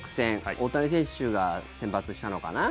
大谷選手が先発したのかな。